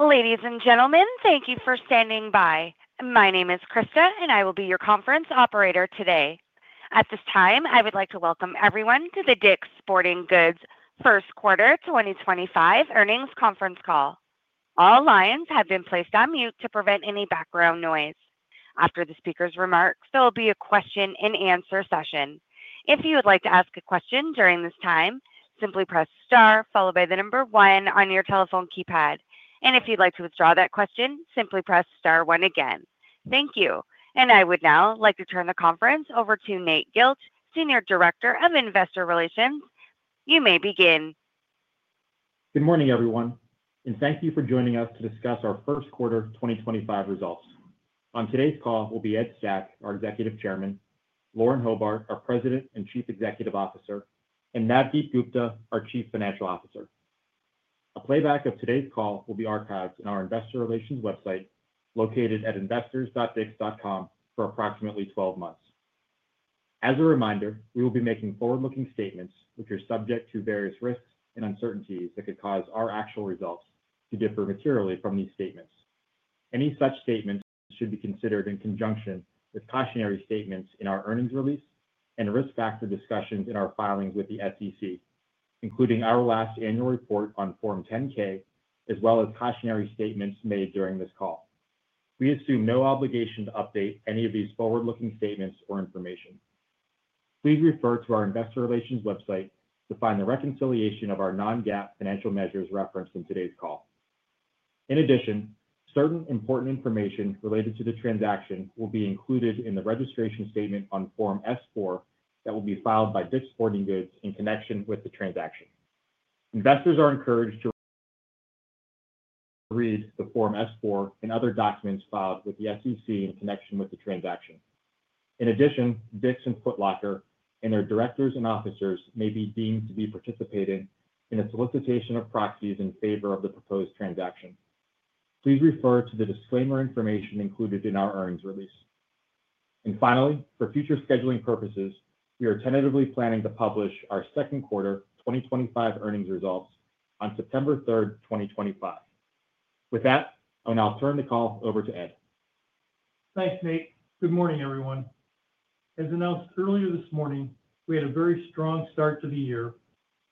Ladies and gentlemen, thank you for standing by. My name is Krista, and I will be your conference operator today. At this time, I would like to welcome everyone to the DICK'S Sporting Goods First Quarter 2025 Earnings Conference Call. All lines have been placed on mute to prevent any background noise. After the speaker's remarks, there will be a question-and-answer session. If you would like to ask a question during this time, simply press star followed by the number one on your telephone keypad. If you'd like to withdraw that question, simply press star one again. Thank you. I would now like to turn the conference over to Nate Gilch, Senior Director of Investor Relations. You may begin. Good morning, everyone, and thank you for joining us to discuss our First Quarter 2025 results. On today's call will be Ed Stack, our Executive Chairman; Lauren Hobart, our President and Chief Executive Officer; and Navdeep Gupta, our Chief Financial Officer. A playback of today's call will be archived on our Investor Relations website located at investors.dicks.com for approximately 12 months. As a reminder, we will be making forward-looking statements which are subject to various risks and uncertainties that could cause our actual results to differ materially from these statements. Any such statements should be considered in conjunction with cautionary statements in our earnings release and risk factor discussions in our filings with the SEC, including our last annual report on Form 10-K, as well as cautionary statements made during this call. We assume no obligation to update any of these forward-looking statements or information. Please refer to our Investor Relations website to find the reconciliation of our non-GAAP financial measures referenced in today's call. In addition, certain important information related to the transaction will be included in the registration statement on Form S-4 that will be filed by DICK'S Sporting Goods in connection with the transaction. Investors are encouraged to read the Form S-4 and other documents filed with the SEC in connection with the transaction. In addition, DICK'S and Foot Locker and their directors and officers may be deemed to be participating in a solicitation of proxies in favor of the proposed transaction. Please refer to the disclaimer information included in our earnings release. Finally, for future scheduling purposes, we are tentatively planning to publish our Second Quarter 2025 earnings results on September 3rd, 2025. With that, I'll now turn the call over to Ed. Thanks, Nate. Good morning, everyone. As announced earlier this morning, we had a very strong start to the year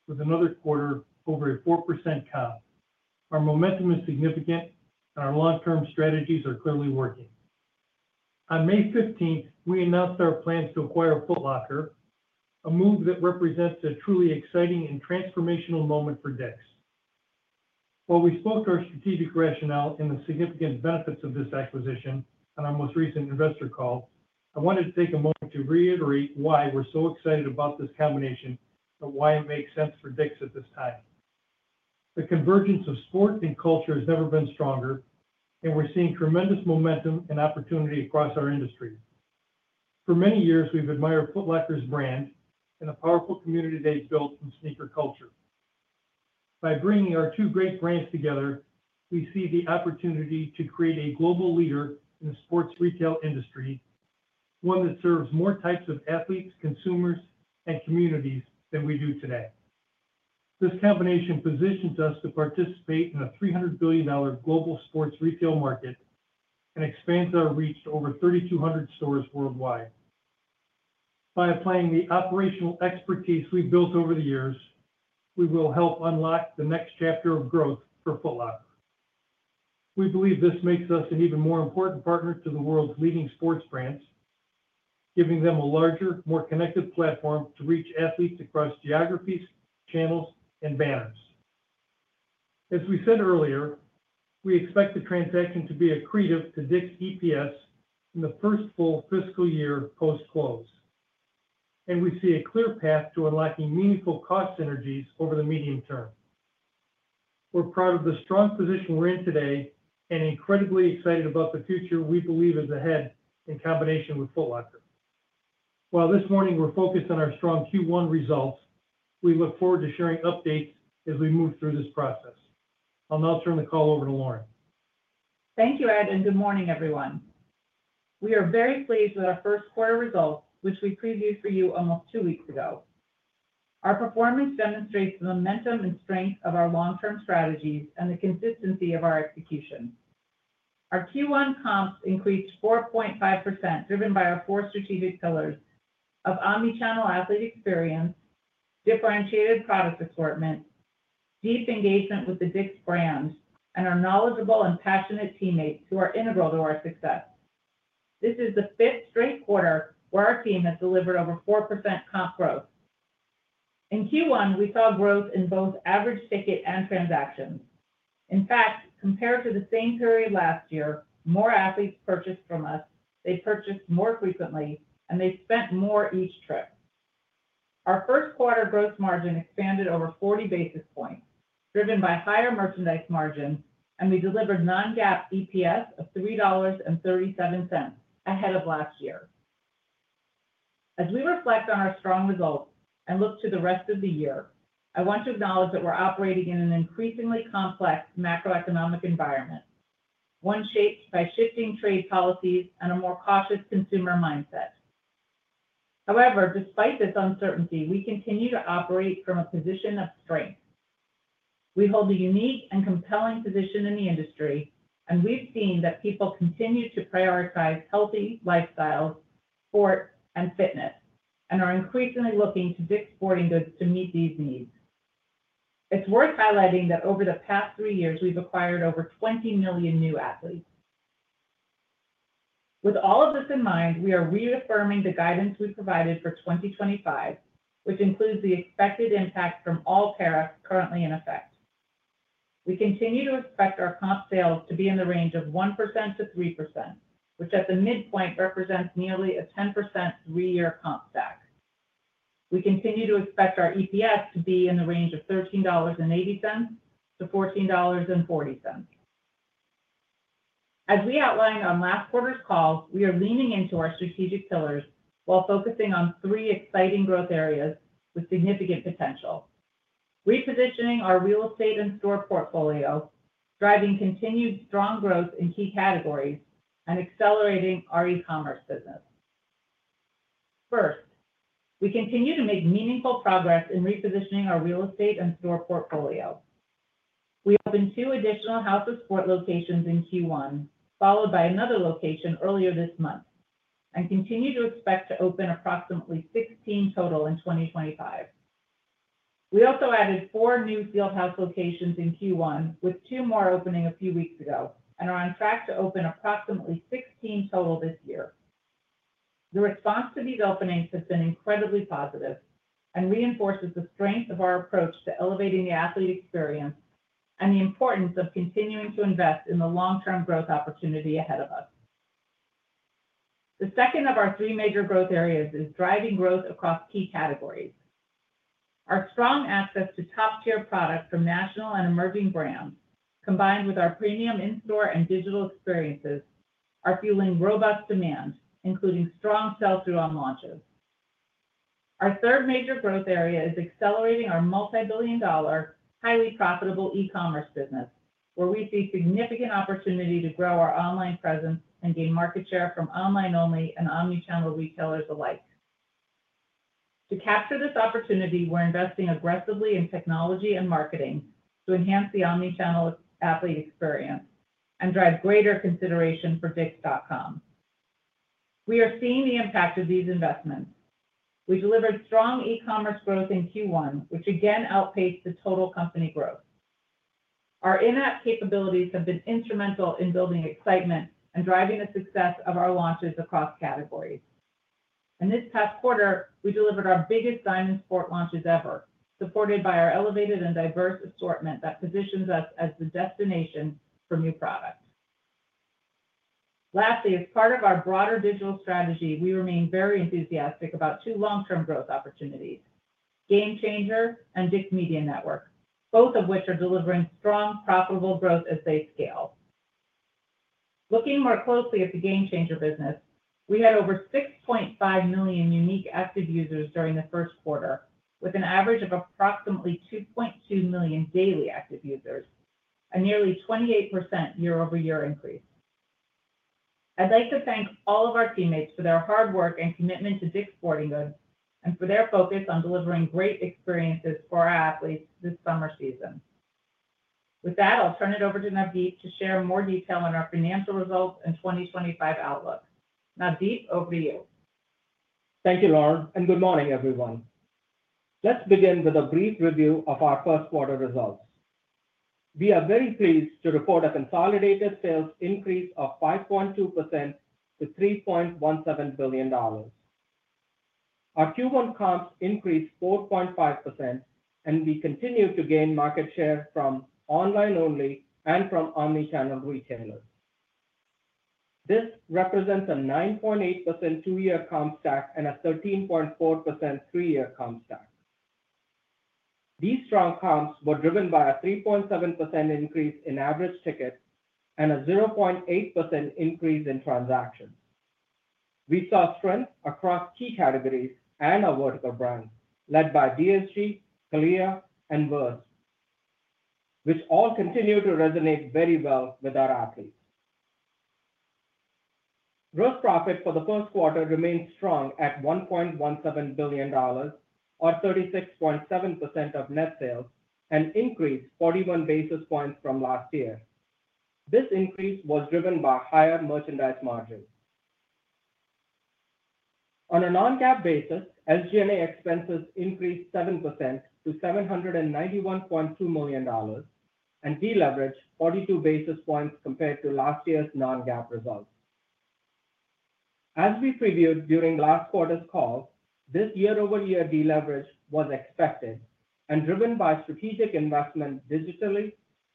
with another quarter over a 4% comp. Our momentum is significant, and our long-term strategies are clearly working. On May 15th, we announced our plans to acquire Foot Locker, a move that represents a truly exciting and transformational moment for DICK'S. While we spoke to our strategic rationale and the significant benefits of this acquisition on our most recent investor call, I wanted to take a moment to reiterate why we're so excited about this combination and why it makes sense for DICK'S at this time. The convergence of sport and culture has never been stronger, and we're seeing tremendous momentum and opportunity across our industry. For many years, we've admired Foot Locker's brand and the powerful community they've built from sneaker culture. By bringing our two great brands together, we see the opportunity to create a global leader in the sports retail industry, one that serves more types of athletes, consumers, and communities than we do today. This combination positions us to participate in a $300 billion global sports retail market and expands our reach to over 3,200 stores worldwide. By applying the operational expertise we've built over the years, we will help unlock the next chapter of growth for Foot Locker. We believe this makes us an even more important partner to the world's leading sports brands, giving them a larger, more connected platform to reach athletes across geographies, channels, and banners. As we said earlier, we expect the transaction to be accretive to DICK'S EPS in the first full fiscal year post-close, and we see a clear path to unlocking meaningful cost synergies over the medium term. We're proud of the strong position we're in today and incredibly excited about the future we believe is ahead in combination with Foot Locker. While this morning we're focused on our strong Q1 results, we look forward to sharing updates as we move through this process. I'll now turn the call over to Lauren. Thank you, Ed, and good morning, everyone. We are very pleased with our first quarter results, which we previewed for you almost two weeks ago. Our performance demonstrates the momentum and strength of our long-term strategies and the consistency of our execution. Our Q1 comps increased 4.5%, driven by our four strategic pillars of omnichannel athlete experience, differentiated product assortment, deep engagement with the DICK'S brand, and our knowledgeable and passionate teammates who are integral to our success. This is the fifth straight quarter where our team has delivered over 4% comp growth. In Q1, we saw growth in both average ticket and transactions. In fact, compared to the same period last year, more athletes purchased from us, they purchased more frequently, and they spent more each trip. Our first quarter gross margin expanded over 40 basis points, driven by higher merchandise margins, and we delivered non-GAAP EPS of $3.37 ahead of last year. As we reflect on our strong results and look to the rest of the year, I want to acknowledge that we're operating in an increasingly complex macroeconomic environment, one shaped by shifting trade policies and a more cautious consumer mindset. However, despite this uncertainty, we continue to operate from a position of strength. We hold a unique and compelling position in the industry, and we've seen that people continue to prioritize healthy lifestyles, sport, and fitness, and are increasingly looking to DICK'S Sporting Goods to meet these needs. It's worth highlighting that over the past three years, we've acquired over 20 million new athletes. With all of this in mind, we are reaffirming the guidance we provided for 2025, which includes the expected impact from all tariffs currently in effect. We continue to expect our comp sales to be in the range of 1%-3%, which at the midpoint represents nearly a 10% three-year comp stack. We continue to expect our EPS to be in the range of $13.80-$14.40. As we outlined on last quarter's call, we are leaning into our strategic pillars while focusing on three exciting growth areas with significant potential, repositioning our real estate and store portfolio, driving continued strong growth in key categories, and accelerating our e-commerce business. First, we continue to make meaningful progress in repositioning our real estate and store portfolio. We opened two additional House of Sport locations in Q1, followed by another location earlier this month, and continue to expect to open approximately 16 total in 2025. We also added four new Field House locations in Q1, with two more opening a few weeks ago, and are on track to open approximately 16 total this year. The response to these openings has been incredibly positive and reinforces the strength of our approach to elevating the athlete experience and the importance of continuing to invest in the long-term growth opportunity ahead of us. The second of our three major growth areas is driving growth across key categories. Our strong access to top-tier products from national and emerging brands, combined with our premium in-store and digital experiences, are fueling robust demand, including strong sell-through on launches. Our third major growth area is accelerating our multi-billion dollar, highly profitable e-commerce business, where we see significant opportunity to grow our online presence and gain market share from online-only and omnichannel retailers alike. To capture this opportunity, we're investing aggressively in technology and marketing to enhance the omnichannel athlete experience and drive greater consideration for DICKS.com. We are seeing the impact of these investments. We delivered strong e-commerce growth in Q1, which again outpaced the total company growth. Our in-app capabilities have been instrumental in building excitement and driving the success of our launches across categories. In this past quarter, we delivered our biggest Diamond Sports launches ever, supported by our elevated and diverse assortment that positions us as the destination for new products. Lastly, as part of our broader digital strategy, we remain very enthusiastic about two long-term growth opportunities: GameChanger and DICK'S Media Network, both of which are delivering strong, profitable growth as they scale. Looking more closely at the GameChanger business, we had over 6.5 million unique active users during the first quarter, with an average of approximately 2.2 million daily active users, a nearly 28% year-over-year increase. I'd like to thank all of our teammates for their hard work and commitment to DICK'S Sporting Goods and for their focus on delivering great experiences for our athletes this summer season. With that, I'll turn it over to Navdeep to share more detail on our financial results and 2025 outlook. Navdeep, over to you. Thank you, Lauren, and good morning, everyone. Let's begin with a brief review of our first quarter results. We are very pleased to report a consolidated sales increase of 5.2% to $3.17 billion. Our Q1 comps increased 4.5%, and we continue to gain market share from online-only and from omnichannel retailers. This represents a 9.8% two-year comp stack and a 13.4% three-year comp stack. These strong comps were driven by a 3.7% increase in average tickets and a 0.8% increase in transactions. We saw strength across key categories and our vertical brands led by DSG, CALIA, and VRST, which all continue to resonate very well with our athletes. Gross profit for the first quarter remained strong at $1.17 billion, or 36.7% of net sales, and increased 41 basis points from last year. This increase was driven by higher merchandise margins. On a non-GAAP basis, SG&A expenses increased 7% to $791.2 million, and deleveraged 42 basis points compared to last year's non-GAAP results. As we previewed during last quarter's call, this year-over-year deleverage was expected and driven by strategic investment digitally,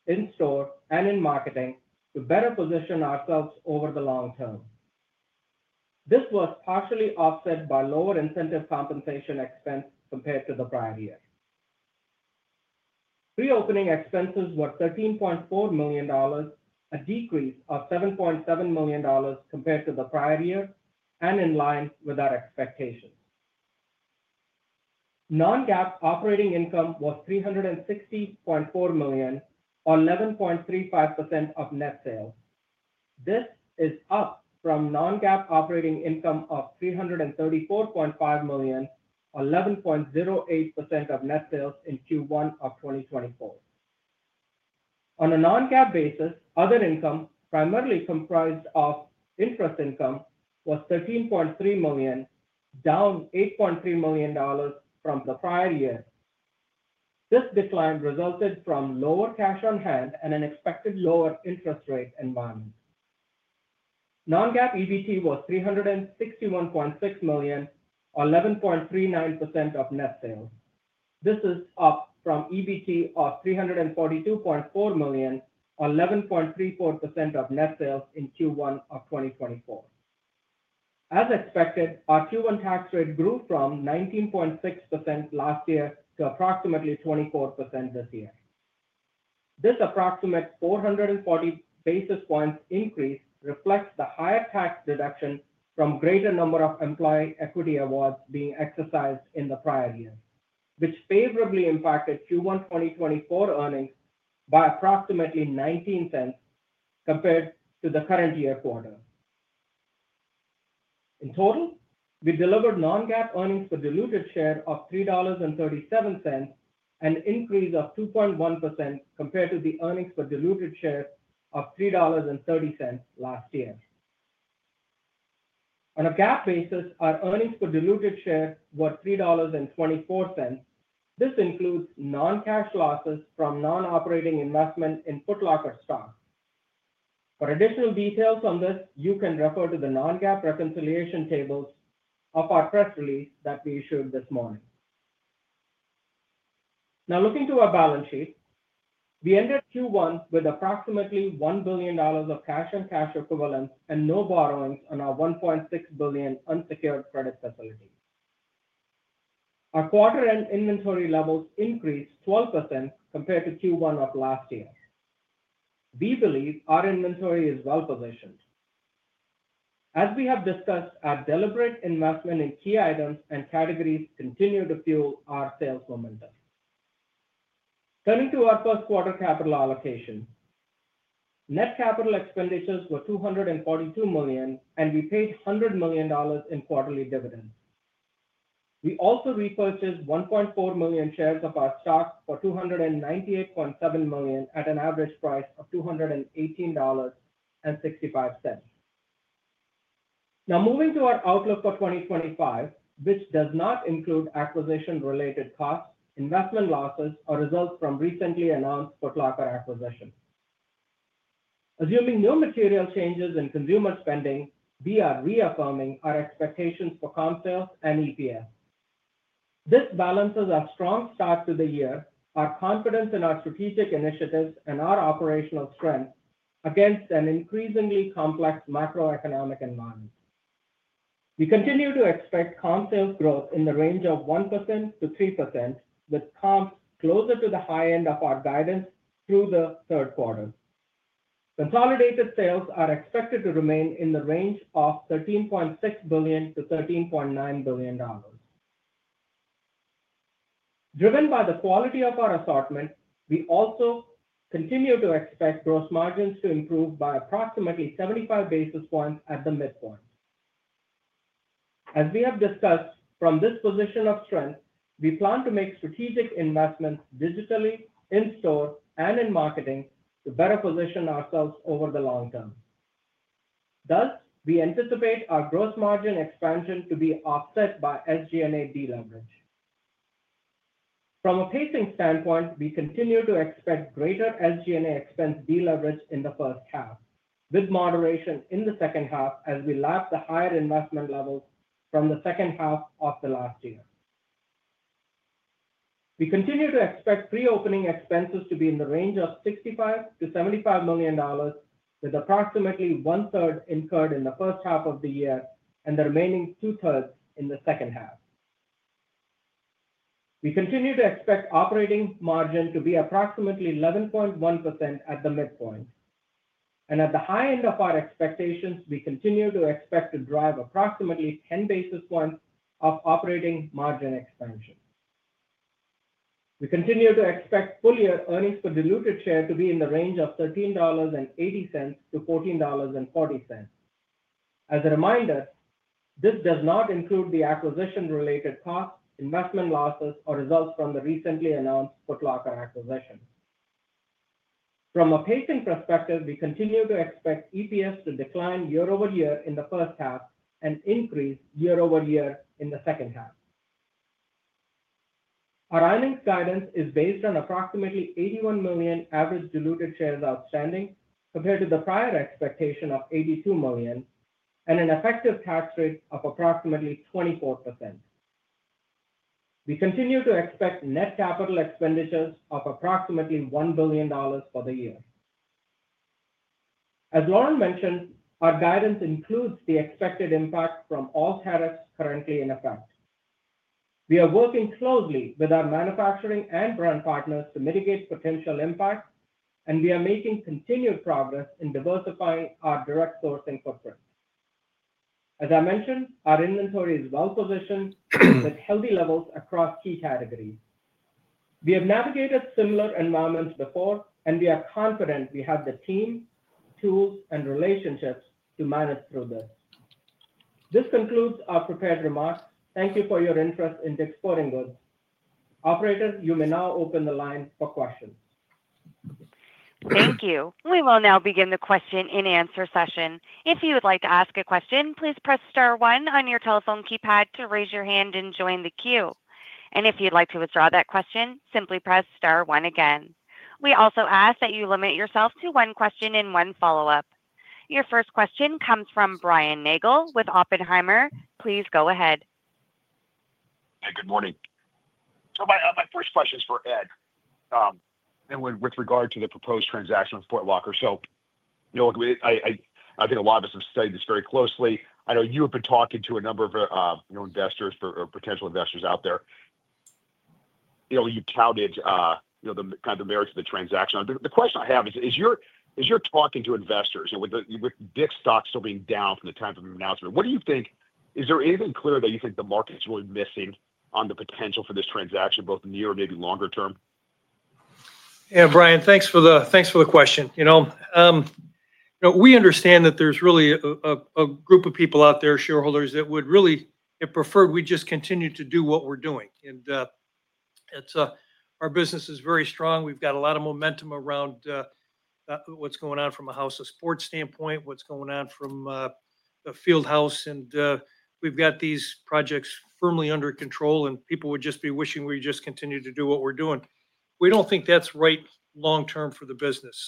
in-store, and in marketing to better position ourselves over the long term. This was partially offset by lower incentive compensation expense compared to the prior year. Pre-opening expenses were $13.4 million, a decrease of $7.7 million compared to the prior year and in line with our expectations. Non-GAAP operating income was $360.4 million, or 11.35% of net sales. This is up from non-GAAP operating income of $334.5 million, or 11.08% of net sales in Q1 of 2024. On a non-GAAP basis, other income, primarily comprised of interest income, was $13.3 million, down $8.3 million from the prior year. This decline resulted from lower cash on hand and an expected lower interest rate environment. Non-GAAP EBT was $361.6 million, or 11.39% of net sales. This is up from EBT of $342.4 million, or 11.34% of net sales in Q1 of 2024. As expected, our Q1 tax rate grew from 19.6% last year to approximately 24% this year. This approximate 440 basis points increase reflects the higher tax deduction from greater number of employee equity awards being exercised in the prior year, which favorably impacted Q1 2024 earnings by approximately $0.19 compared to the current year quarter. In total, we delivered non-GAAP earnings for diluted share of $3.37, an increase of 2.1% compared to the earnings for diluted share of $3.30 last year. On a GAAP basis, our earnings for diluted share were $3.24. This includes non-cash losses from non-operating investment in Foot Locker stock. For additional details on this, you can refer to the non-GAAP reconciliation tables of our press release that we issued this morning. Now, looking to our balance sheet, we ended Q1 with approximately $1 billion of cash on cash equivalents and no borrowings on our $1.6 billion unsecured credit facility. Our quarter-end inventory levels increased 12% compared to Q1 of last year. We believe our inventory is well-positioned. As we have discussed, our deliberate investment in key items and categories continued to fuel our sales momentum. Turning to our first quarter capital allocation, net capital expenditures were $242 million, and we paid $100 million in quarterly dividends. We also repurchased 1.4 million shares of our stock for $298.7 million at an average price of $218.65. Now, moving to our outlook for 2025, which does not include acquisition-related costs, investment losses, or results from recently announced Foot Locker acquisitions. Assuming no material changes in consumer spending, we are reaffirming our expectations for comp sales and EPS. This balances our strong start to the year, our confidence in our strategic initiatives, and our operational strength against an increasingly complex macroeconomic environment. We continue to expect comp sales growth in the range of 1%-3%, with comps closer to the high end of our guidance through the third quarter. Consolidated sales are expected to remain in the range of $13.6 billion-$13.9 billion. Driven by the quality of our assortment, we also continue to expect gross margins to improve by approximately 75 basis points at the midpoint. As we have discussed, from this position of strength, we plan to make strategic investments digitally, in-store, and in marketing to better position ourselves over the long term. Thus, we anticipate our gross margin expansion to be offset by SG&A deleverage. From a pacing standpoint, we continue to expect greater SG&A expense deleverage in the first half, with moderation in the second half as we lap the higher investment levels from the second half of the last year. We continue to expect pre-opening expenses to be in the range of $65 million-$75 million, with approximately 1/3 incurred in the first half of the year and the remaining 2/3 in the second half. We continue to expect operating margin to be approximately 11.1% at the midpoint. At the high end of our expectations, we continue to expect to drive approximately 10 basis points of operating margin expansion. We continue to expect full-year earnings for diluted share to be in the range of $13.80-$14.40. As a reminder, this does not include the acquisition-related costs, investment losses, or results from the recently announced Foot Locker acquisition. From a pacing perspective, we continue to expect EPS to decline year-over-year in the first half and increase year-over-year in the second half. Our earnings guidance is based on approximately 81 million average diluted shares outstanding compared to the prior expectation of 82 million and an effective tax rate of approximately 24%. We continue to expect net capital expenditures of approximately $1 billion for the year. As Lauren mentioned, our guidance includes the expected impact from all tariffs currently in effect. We are working closely with our manufacturing and brand partners to mitigate potential impact, and we are making continued progress in diversifying our direct sourcing footprint. As I mentioned, our inventory is well-positioned with healthy levels across key categories. We have navigated similar environments before, and we are confident we have the team, tools, and relationships to manage through this. This concludes our prepared remarks. Thank you for your interest in DICK'S Sporting Goods. Operator, you may now open the line for questions. Thank you. We will now begin the question-and-answer session. If you would like to ask a question, please press star one on your telephone keypad to raise your hand and join the queue. If you'd like to withdraw that question, simply press star one again. We also ask that you limit yourself to one question and one follow-up. Your first question comes from Brian Nagel with Oppenheimer. Please go ahead. Hi, good morning. My first question is for Ed, and with regard to the proposed transaction with Foot Locker. I think a lot of us have studied this very closely. I know you have been talking to a number of investors or potential investors out there. You touted kind of the merits of the transaction. The question I have is, as you're talking to investors, with DICK'S stock still being down from the time of the announcement, what do you think? Is there anything clear that you think the market's really missing on the potential for this transaction, both near or maybe longer term? Yeah, Brian, thanks for the question. We understand that there's really a group of people out there, shareholders, that would really prefer we just continue to do what we're doing. Our business is very strong. We've got a lot of momentum around what's going on from a House of Sport standpoint, what's going on from the Field House. We've got these projects firmly under control, and people would just be wishing we just continued to do what we're doing. We don't think that's right long-term for the business.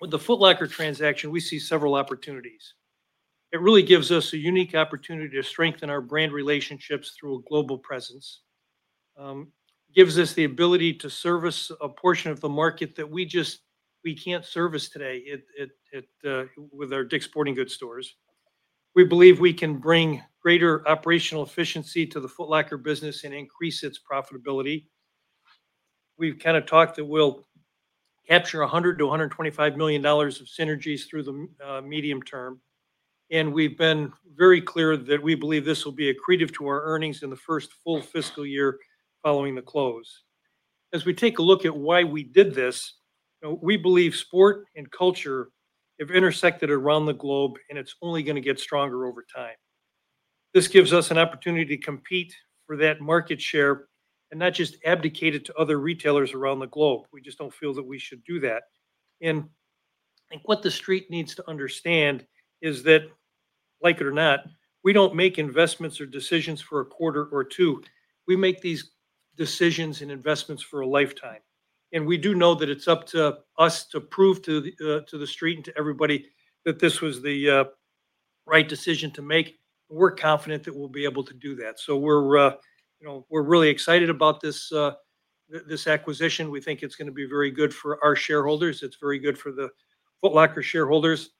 With the Foot Locker transaction, we see several opportunities. It really gives us a unique opportunity to strengthen our brand relationships through a global presence. It gives us the ability to service a portion of the market that we just can't service today with our DICK'S Sporting Goods stores. We believe we can bring greater operational efficiency to the Foot Locker business and increase its profitability. We've kind of talked that we'll capture $100-$125 million of synergies through the medium term. We've been very clear that we believe this will be accretive to our earnings in the first full fiscal year following the close. As we take a look at why we did this, we believe sport and culture have intersected around the globe, and it's only going to get stronger over time. This gives us an opportunity to compete for that market share and not just abdicate it to other retailers around the globe. We just don't feel that we should do that. I think what the street needs to understand is that, like it or not, we don't make investments or decisions for a quarter or two. We make these decisions and investments for a lifetime. We do know that it's up to us to prove to the street and to everybody that this was the right decision to make. We're confident that we'll be able to do that. We're really excited about this acquisition. We think it's going to be very good for our shareholders. It's very good for the Foot Locker shareholders.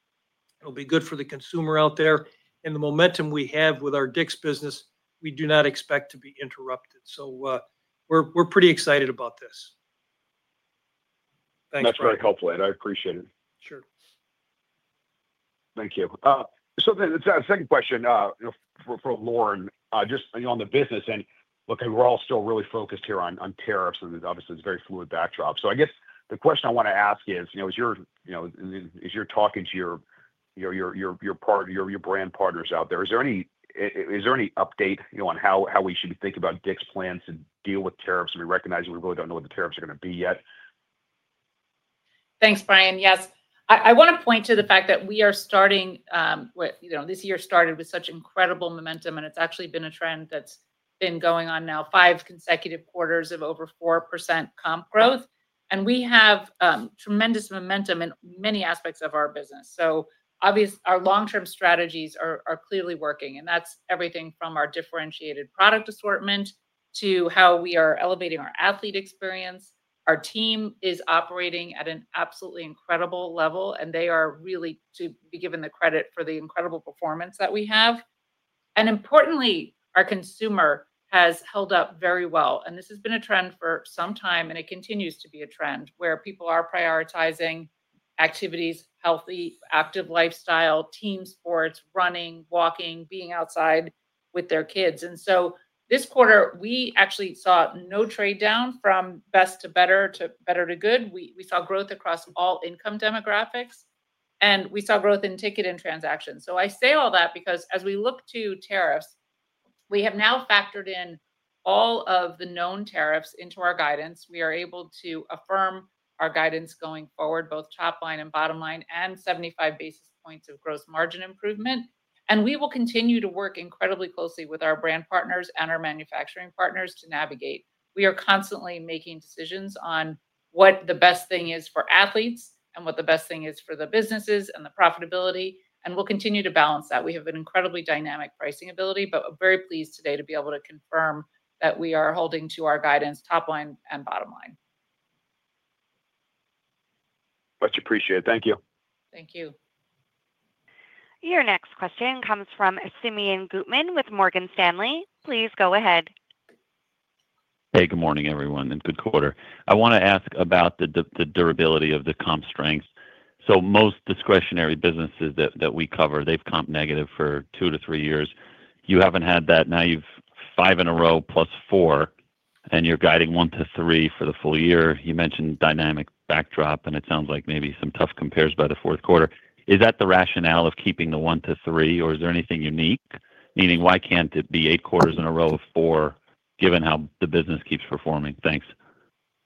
It will be good for the consumer out there. The momentum we have with our DICK'S business, we do not expect to be interrupted. We're pretty excited about this. Thanks, Brian. That's very helpful, Ed. I appreciate it. Sure. Thank you. The second question for Lauren, just on the business. Look, we're all still really focused here on tariffs, and obviously, it's a very fluid backdrop. I guess the question I want to ask is, as you're talking to your brand partners out there, is there any update on how we should be thinking about DICK'S plans to deal with tariffs? We recognize we really don't know what the tariffs are going to be yet. Thanks, Brian. Yes. I want to point to the fact that we are starting this year started with such incredible momentum, and it's actually been a trend that's been going on now, five consecutive quarters of over 4% comp growth. We have tremendous momentum in many aspects of our business. Our long-term strategies are clearly working. That's everything from our differentiated product assortment to how we are elevating our athlete experience. Our team is operating at an absolutely incredible level, and they are really to be given the credit for the incredible performance that we have. Importantly, our consumer has held up very well. This has been a trend for some time, and it continues to be a trend where people are prioritizing activities, healthy, active lifestyle, team sports, running, walking, being outside with their kids. This quarter, we actually saw no trade down from best to better to better to good. We saw growth across all income demographics, and we saw growth in ticket and transactions. I say all that because as we look to tariffs, we have now factored in all of the known tariffs into our guidance. We are able to affirm our guidance going forward, both top line and bottom line, and 75 basis points of gross margin improvement. We will continue to work incredibly closely with our brand partners and our manufacturing partners to navigate. We are constantly making decisions on what the best thing is for athletes and what the best thing is for the businesses and the profitability. We will continue to balance that. We have an incredibly dynamic pricing ability, but we're very pleased today to be able to confirm that we are holding to our guidance, top line and bottom line. Much appreciated. Thank you. Thank you. Your next question comes from Simeon Gutman with Morgan Stanley. Please go ahead. Hey, good morning, everyone, and good quarter. I want to ask about the durability of the comp strengths. So most discretionary businesses that we cover, they've comp negative for two to three years. You haven't had that. Now you've five in a row plus four, and you're guiding one to three for the full year. You mentioned dynamic backdrop, and it sounds like maybe some tough compares by the fourth quarter. Is that the rationale of keeping the one to three, or is there anything unique? Meaning, why can't it be eight quarters in a row of four, given how the business keeps performing? Thanks.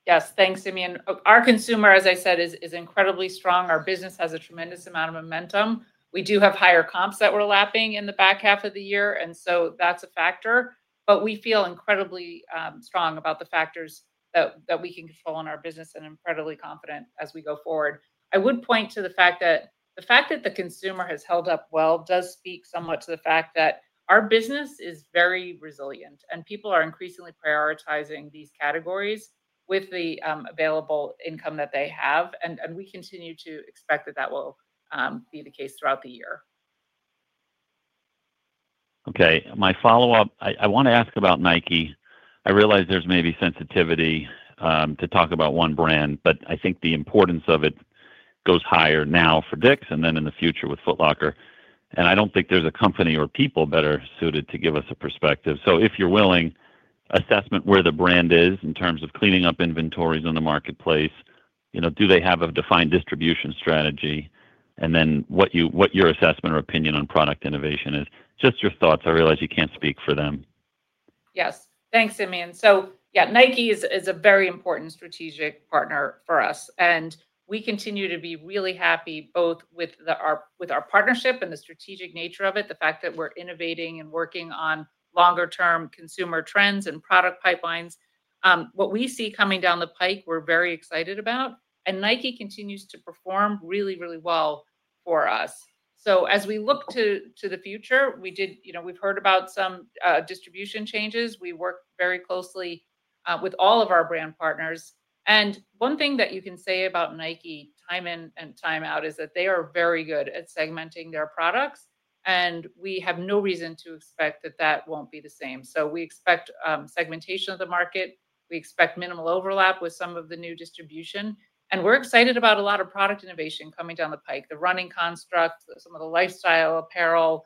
Yes, thanks, Simeon. Our consumer, as I said, is incredibly strong. Our business has a tremendous amount of momentum. We do have higher comps that we're lapping in the back half of the year, and so that's a factor. We feel incredibly strong about the factors that we can control in our business and incredibly confident as we go forward. I would point to the fact that the consumer has held up well does speak somewhat to the fact that our business is very resilient, and people are increasingly prioritizing these categories with the available income that they have. We continue to expect that that will be the case throughout the year. Okay. My follow-up, I want to ask about Nike. I realize there's maybe sensitivity to talk about one brand, but I think the importance of it goes higher now for DICK'S and then in the future with Foot Locker. I don't think there's a company or people better suited to give us a perspective. If you're willing, assessment where the brand is in terms of cleaning up inventories in the marketplace, do they have a defined distribution strategy? What is your assessment or opinion on product innovation? Just your thoughts. I realize you can't speak for them. Yes. Thanks, Simeon. Yeah, Nike is a very important strategic partner for us. We continue to be really happy both with our partnership and the strategic nature of it, the fact that we're innovating and working on longer-term consumer trends and product pipelines. What we see coming down the pike, we're very excited about. Nike continues to perform really, really well for us. As we look to the future, we've heard about some distribution changes. We work very closely with all of our brand partners. One thing that you can say about Nike time in and time out is that they are very good at segmenting their products. We have no reason to expect that that will not be the same. We expect segmentation of the market. We expect minimal overlap with some of the new distribution. We're excited about a lot of product innovation coming down the pike, the running construct, some of the lifestyle apparel,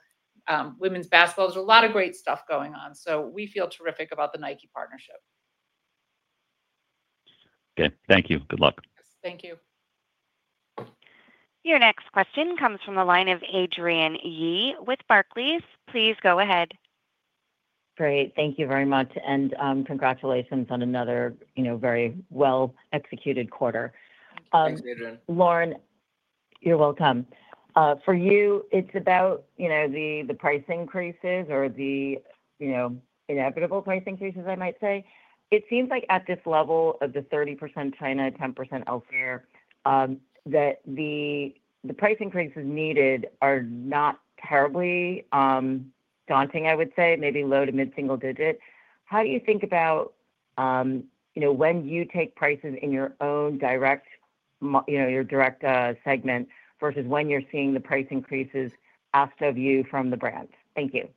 women's basketball. There's a lot of great stuff going on. We feel terrific about the Nike partnership. Okay. Thank you. Good luck. Thank you. Your next question comes from the line of Adrienne Yih with Barclays. Please go ahead. Great. Thank you very much. Congratulations on another very well-executed quarter. Thanks, Adrienne. Lauren, you're welcome. For you, it's about the price increases or the inevitable price increases, I might say. It seems like at this level of the 30% China, 10% elsewhere, that the price increases needed are not terribly daunting, I would say, maybe low to mid-single digit. How do you think about when you take prices in your own direct, your direct segment versus when you're seeing the price increases asked of you from the brand? Thank you.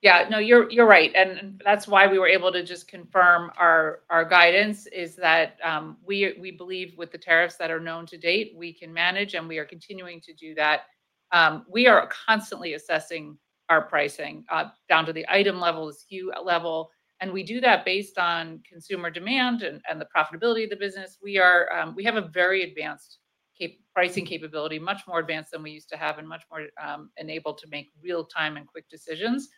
Yeah. No, you're right. That is why we were able to just confirm our guidance is that we believe with the tariffs that are known to date, we can manage, and we are continuing to do that. We are constantly assessing our pricing down to the item level, the SKU level. We do that based on consumer demand and the profitability of the business. We have a very advanced pricing capability, much more advanced than we used to have, and much more enabled to make real-time and quick decisions.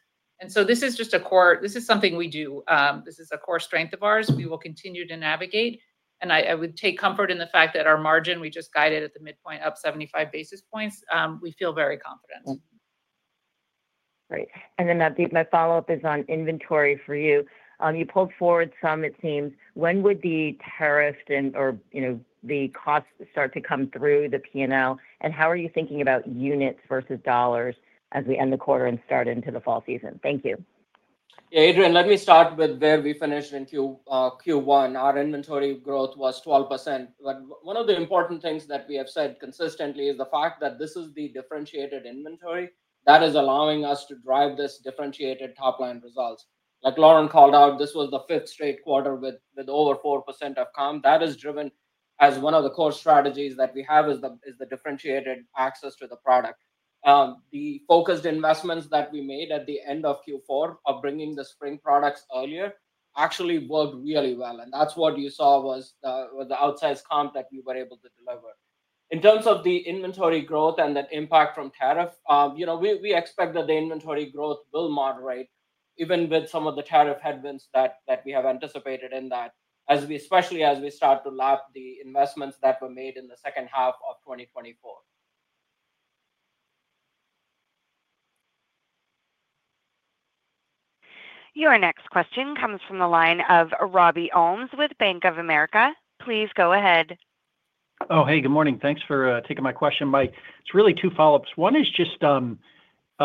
This is just a core, this is something we do. This is a core strength of ours. We will continue to navigate. I would take comfort in the fact that our margin, we just guided at the midpoint, up 75 basis points. We feel very confident. Great. My follow-up is on inventory for you. You pulled forward some, it seems. When would the tariffs or the costs start to come through the P&L? How are you thinking about units versus dollars as we end the quarter and start into the fall season? Thank you. Yeah, Adrienne, let me start with where we finished in Q1. Our inventory growth was 12%. One of the important things that we have said consistently is the fact that this is the differentiated inventory that is allowing us to drive this differentiated top-line results. Like Lauren called out, this was the fifth straight quarter with over 4% of comp. That is driven as one of the core strategies that we have is the differentiated access to the product. The focused investments that we made at the end of Q4 of bringing the spring products earlier actually worked really well. That is what you saw was the outsized comp that we were able to deliver. In terms of the inventory growth and the impact from tariff, we expect that the inventory growth will moderate even with some of the tariff headwinds that we have anticipated in that, especially as we start to lap the investments that were made in the second half of 2024. Your next question comes from the line of Robbie Ohmes with Bank of America. Please go ahead. Oh, hey, good morning. Thanks for taking my question, Mike. It's really two follow-ups. One is just, can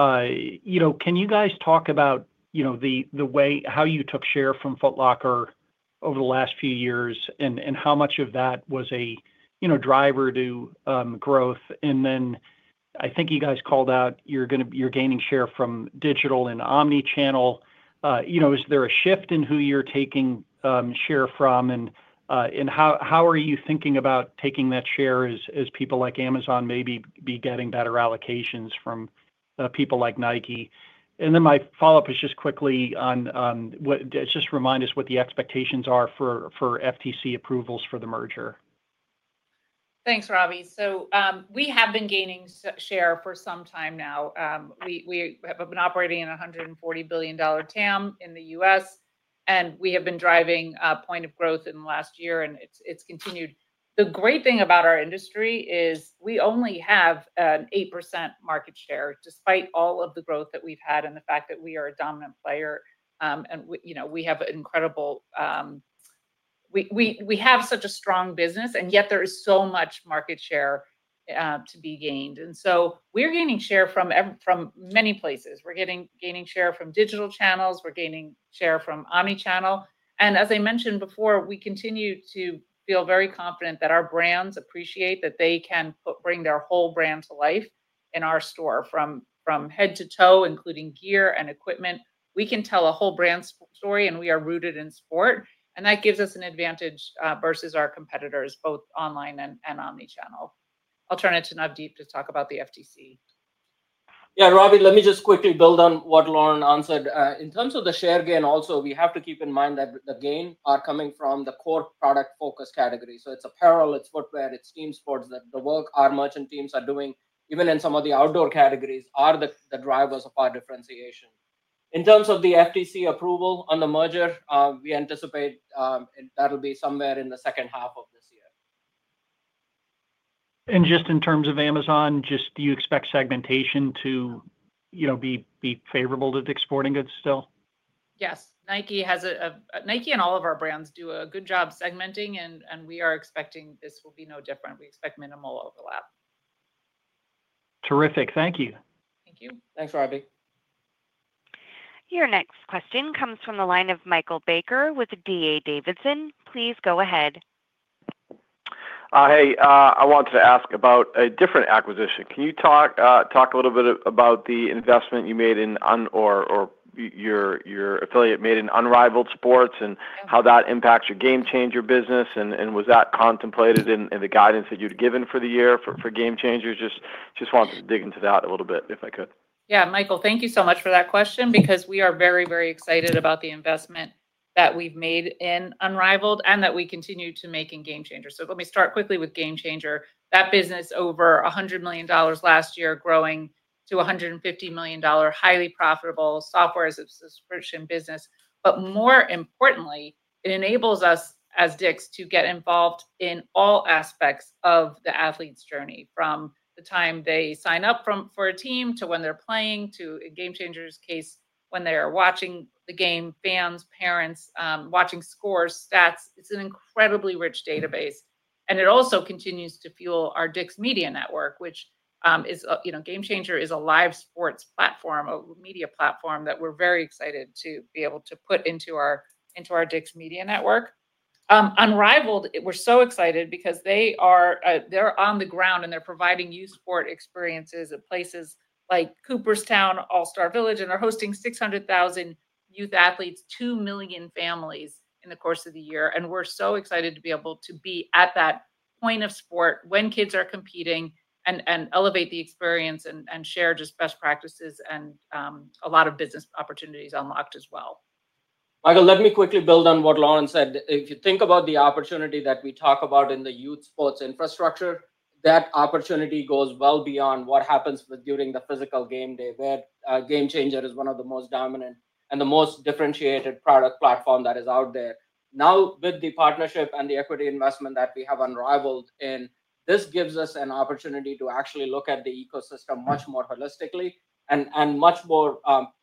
you guys talk about how you took share from Foot Locker over the last few years and how much of that was a driver to growth? I think you guys called out you're gaining share from digital and omnichannel. Is there a shift in who you're taking share from? How are you thinking about taking that share as people like Amazon maybe be getting better allocations from people like Nike? My follow-up is just quickly on just remind us what the expectations are for FTC approvals for the merger. Thanks, Robbie. We have been gaining share for some time now. We have been operating in a $140 billion TAM in the U.S., and we have been driving a point of growth in the last year, and it's continued. The great thing about our industry is we only have an 8% market share despite all of the growth that we've had and the fact that we are a dominant player. We have such a strong business, and yet there is so much market share to be gained. We are gaining share from many places. We are gaining share from digital channels. We are gaining share from omnichannel. As I mentioned before, we continue to feel very confident that our brands appreciate that they can bring their whole brand to life in our store from head to toe, including gear and equipment. We can tell a whole brand story, and we are rooted in sport. That gives us an advantage versus our competitors, both online and omnichannel. I'll turn it to Navdeep to talk about the FTC. Yeah, Robbie, let me just quickly build on what Lauren answered. In terms of the share gain, also, we have to keep in mind that the gains are coming from the core product-focused categories. So it's apparel, it's footwear, it's team sports that the work our merchant teams are doing, even in some of the outdoor categories, are the drivers of our differentiation. In terms of the FTC approval on the merger, we anticipate that'll be somewhere in the second half of this year. Just in terms of Amazon, just do you expect segmentation to be favorable to DICK'S Sporting Goods still? Yes. Nike and all of our brands do a good job segmenting, and we are expecting this will be no different. We expect minimal overlap. Terrific. Thank you. Thank you. Thanks, Robbie. Your next question comes from the line of Michael Baker with D.A. Davidson. Please go ahead. Hey, I wanted to ask about a different acquisition. Can you talk a little bit about the investment you made in or your affiliate made in Unrivaled Sports and how that impacts your GameChanger business? Was that contemplated in the guidance that you'd given for the year for GameChanger? Just wanted to dig into that a little bit if I could. Yeah, Michael, thank you so much for that question because we are very, very excited about the investment that we've made in Unrivaled and that we continue to make in GameChanger. Let me start quickly with GameChanger. That business, over $100 million last year, growing to $150 million, highly profitable software as a subscription business. More importantly, it enables us as DICK'S to get involved in all aspects of the athlete's journey from the time they sign up for a team to when they're playing to, in GameChanger's case, when they are watching the game, fans, parents, watching scores, stats. It's an incredibly rich database. It also continues to fuel our DICK'S Media Network, which is, GameChanger is a live sports platform, a media platform that we're very excited to be able to put into our DICK'S Media Network. Unrivaled, we're so excited because they are on the ground and they're providing youth sport experiences at places like Cooperstown, All-Star Village, and they're hosting 600,000 youth athletes, 2 million families in the course of the year. We're so excited to be able to be at that point of sport when kids are competing and elevate the experience and share just best practices and a lot of business opportunities unlocked as well. Michael, let me quickly build on what Lauren said. If you think about the opportunity that we talk about in the youth sports infrastructure, that opportunity goes well beyond what happens during the physical game day where GameChanger is one of the most dominant and the most differentiated product platform that is out there. Now, with the partnership and the equity investment that we have Unrivaled in, this gives us an opportunity to actually look at the ecosystem much more holistically and much more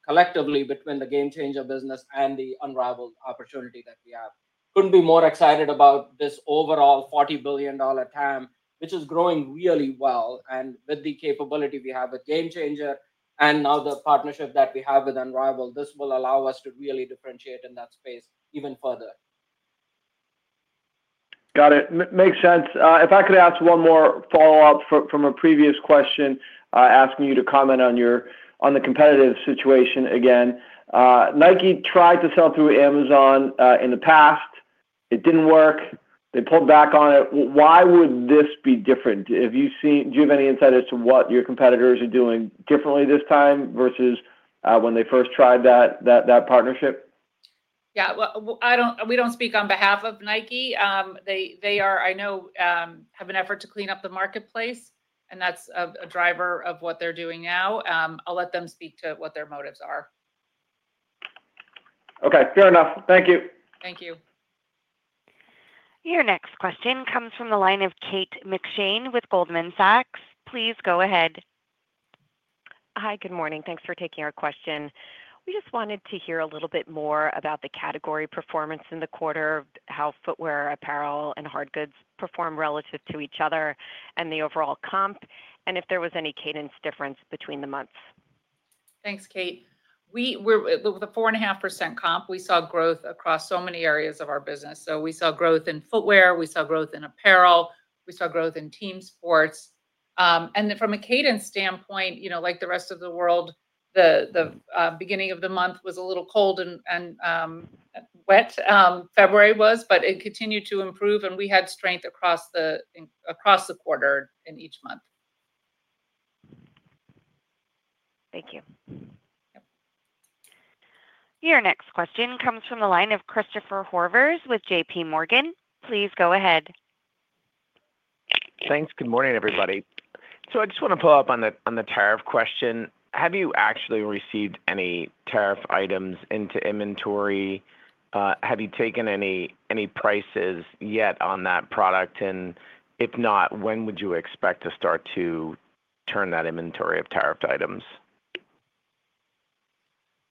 collectively between the GameChanger business and the Unrivaled opportunity that we have. Could not be more excited about this overall $40 billion TAM, which is growing really well. With the capability we have with GameChanger and now the partnership that we have with Unrivaled, this will allow us to really differentiate in that space even further. Got it. Makes sense. If I could ask one more follow-up from a previous question asking you to comment on the competitive situation again. Nike tried to sell through Amazon in the past. It did not work. They pulled back on it. Why would this be different? Do you have any insight as to what your competitors are doing differently this time versus when they first tried that partnership? Yeah. We do not speak on behalf of Nike. They are, I know, have an effort to clean up the marketplace, and that is a driver of what they are doing now. I will let them speak to what their motives are. Okay. Fair enough. Thank you. Thank you. Your next question comes from the line of Kate McShane with Goldman Sachs. Please go ahead. Hi, good morning. Thanks for taking our question. We just wanted to hear a little bit more about the category performance in the quarter, how footwear, apparel, and hard goods perform relative to each other, and the overall comp, and if there was any cadence difference between the months. Thanks, Kate. With a 4.5% comp, we saw growth across so many areas of our business. We saw growth in footwear. We saw growth in apparel. We saw growth in team sports. From a cadence standpoint, like the rest of the world, the beginning of the month was a little cold and wet, February was, but it continued to improve. We had strength across the quarter in each month. Thank you. Your next question comes from the line of Christopher Horvers with JPMorgan. Please go ahead. Thanks. Good morning, everybody. I just want to pull up on the tariff question. Have you actually received any tariff items into inventory? Have you taken any prices yet on that product? If not, when would you expect to start to turn that inventory of tariffed items?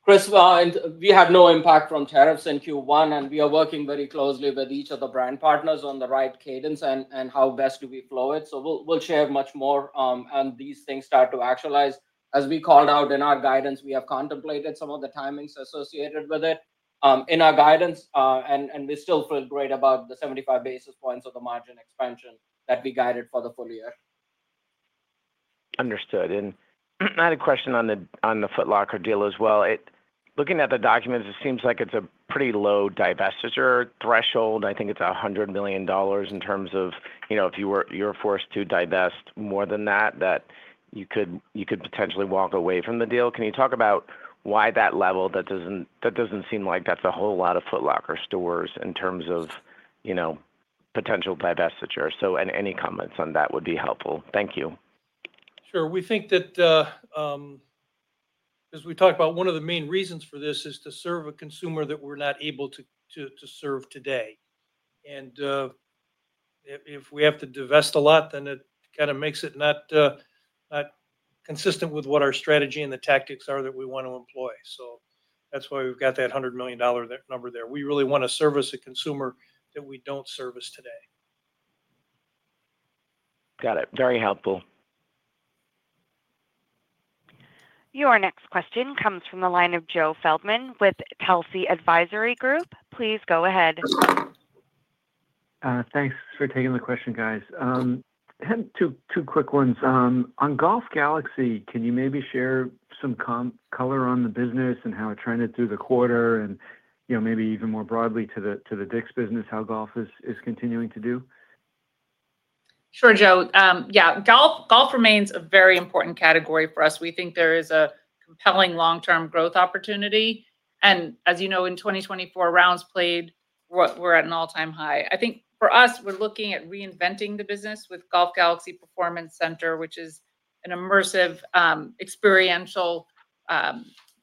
First of all, we had no impact from tariffs in Q1, and we are working very closely with each of the brand partners on the right cadence and how best do we flow it. We will share much more on these things start to actualize. As we called out in our guidance, we have contemplated some of the timings associated with it in our guidance, and we still feel great about the 75 basis points of the margin expansion that we guided for the full year. Understood. I had a question on the Foot Locker deal as well. Looking at the documents, it seems like it is a pretty low divestiture threshold. I think it is $100 million in terms of if you were forced to divest more than that, that you could potentially walk away from the deal. Can you talk about why that level, that does not seem like that is a whole lot of Foot Locker stores in terms of potential divestiture? Any comments on that would be helpful. Thank you. Sure. We think that, as we talked about, one of the main reasons for this is to serve a consumer that we're not able to serve today. If we have to divest a lot, then it kind of makes it not consistent with what our strategy and the tactics are that we want to employ. That's why we've got that $100 million number there. We really want to service a consumer that we don't service today. Got it. Very helpful. Your next question comes from the line of Joe Feldman with Telsey Advisory Group. Please go ahead. Thanks for taking the question, guys. Two quick ones. On Golf Galaxy, can you maybe share some color on the business and how it trended through the quarter and maybe even more broadly to the DICK'S business, how golf is continuing to do? Sure, Joe. Yeah, golf remains a very important category for us. We think there is a compelling long-term growth opportunity. As you know, in 2024, rounds played, we're at an all-time high. I think for us, we're looking at reinventing the business with Golf Galaxy Performance Center, which is an immersive experiential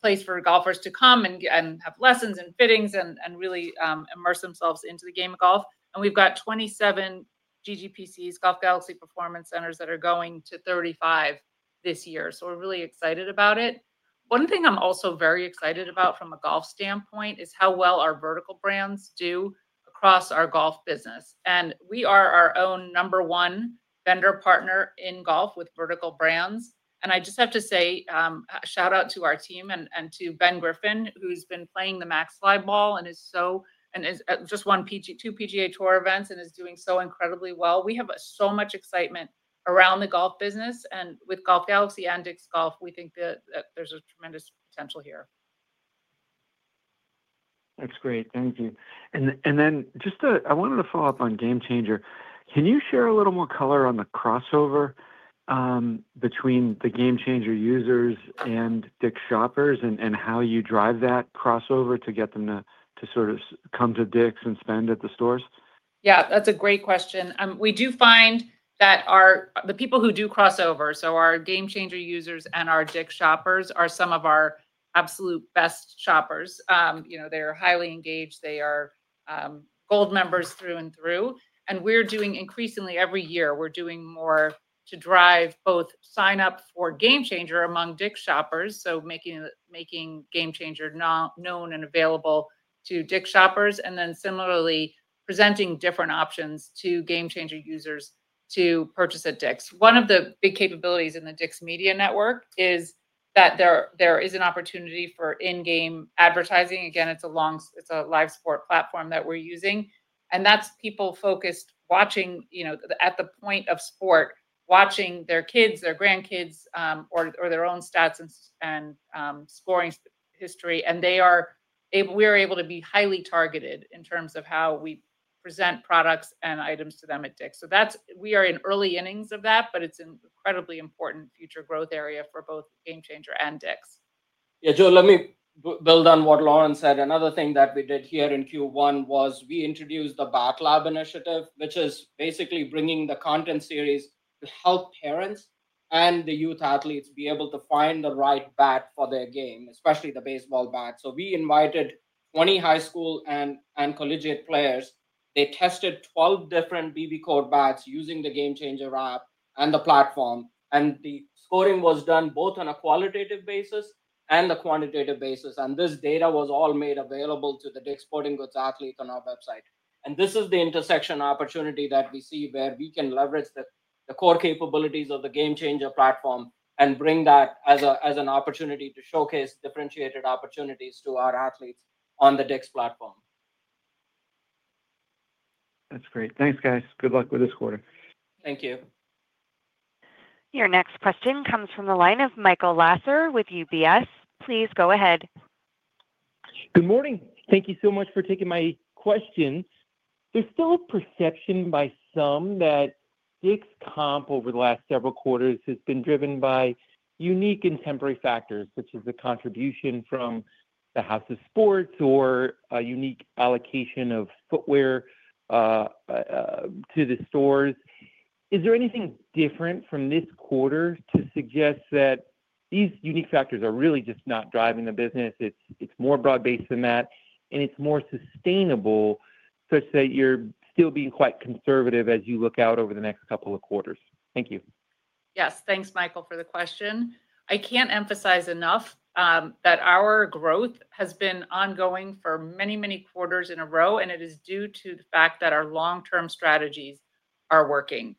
place for golfers to come and have lessons and fittings and really immerse themselves into the game of golf. We have 27 GGPCs, Golf Galaxy Performance Centers, that are going to 35 this year. We are really excited about it. One thing I am also very excited about from a golf standpoint is how well our vertical brands do across our golf business. We are our own number one vendor partner in golf with vertical brands. I just have to say a shout-out to our team and to Ben Griffin, who's been playing the Maxfli Ball and has just won two PGA Tour events and is doing so incredibly well. We have so much excitement around the golf business. With Golf Galaxy and DICK'S Golf, we think that there's a tremendous potential here. That's great. Thank you. I wanted to follow up on GameChanger. Can you share a little more color on the crossover between the GameChanger users and DICK'S shoppers and how you drive that crossover to get them to sort of come to DICK'S and spend at the stores? Yeah, that's a great question. We do find that the people who do crossover, so our GameChanger users and our DICK'S shoppers, are some of our absolute best shoppers. They're highly engaged. They are gold members through and through. We're doing increasingly every year, we're doing more to drive both sign-up for GameChanger among DICK'S shoppers, so making GameChanger known and available to DICK'S shoppers, and then similarly presenting different options to GameChanger users to purchase at DICK'S. One of the big capabilities in the DICK'S Media Network is that there is an opportunity for in-game advertising. Again, it's a live sport platform that we're using. That's people focused at the point of sport, watching their kids, their grandkids, or their own stats and scoring history. We are able to be highly targeted in terms of how we present products and items to them at DICK'S. We are in early innings of that, but it is an incredibly important future growth area for both GameChanger and DICK'S. Yeah, Joe, let me build on what Lauren said. Another thing that we did here in Q1 was we introduced the Bat Lab Initiative, which is basically bringing the content series to help parents and the youth athletes be able to find the right bat for their game, especially the baseball bat. We invited 20 high school and collegiate players. They tested 12 different BBCOR bats using the GameChanger app and the platform. The scoring was done both on a qualitative basis and a quantitative basis. This data was all made available to the DICK'S Sporting Goods athlete on our website. This is the intersection opportunity that we see where we can leverage the core capabilities of the GameChanger platform and bring that as an opportunity to showcase differentiated opportunities to our athletes on the DICK'S platform. That's great. Thanks, guys. Good luck with this quarter. Thank you. Your next question comes from the line of Michael Lasser with UBS. Please go ahead. Good morning. Thank you so much for taking my questions. There's still a perception by some that DICK'S comp over the last several quarters has been driven by unique and temporary factors such as the contribution from the House of Sport or a unique allocation of footwear to the stores. Is there anything different from this quarter to suggest that these unique factors are really just not driving the business? It's more broad-based than that, and it's more sustainable such that you're still being quite conservative as you look out over the next couple of quarters. Thank you. Yes, thanks, Michael, for the question. I can't emphasize enough that our growth has been ongoing for many, many quarters in a row, and it is due to the fact that our long-term strategies are working.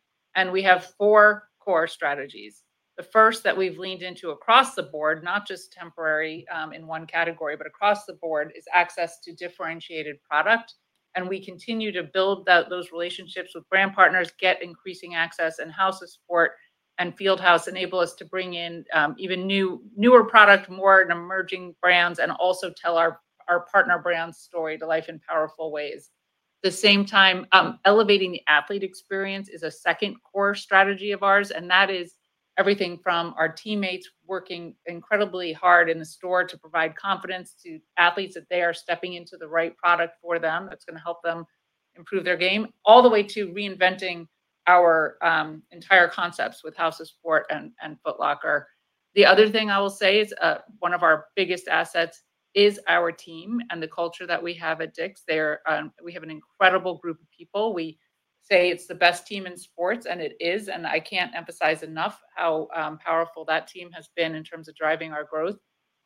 We have four core strategies. The first that we've leaned into across the board, not just temporary in one category, but across the board, is access to differentiated product. We continue to build those relationships with brand partners, get increasing access, and House of Sport and Field House enable us to bring in even newer product, more emerging brands, and also tell our partner brand story to life in powerful ways. At the same time, elevating the athlete experience is a second core strategy of ours, and that is everything from our teammates working incredibly hard in the store to provide confidence to athletes that they are stepping into the right product for them that's going to help them improve their game, all the way to reinventing our entire concepts with House of Sport and Foot Locker. The other thing I will say is one of our biggest assets is our team and the culture that we have at DICK'S. We have an incredible group of people. We say it's the best team in sports, and it is. I can't emphasize enough how powerful that team has been in terms of driving our growth.